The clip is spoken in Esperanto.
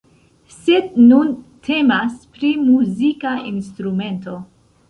Sed nun temas pri muzika instrumento.